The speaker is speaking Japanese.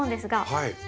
はい。